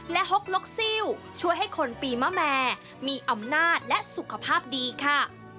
และฮกลกซิลช่วยให้คนปีมะแม่มีอำนาจและสุขภาพดีค่ะ